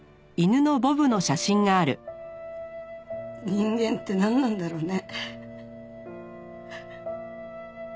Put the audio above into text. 人間ってなんなんだろうね。